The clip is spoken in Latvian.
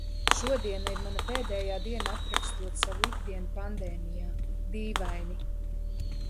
Šodiena ir mana pēdējā diena aprakstot savu ikdienu pandēmijā... dīvaini.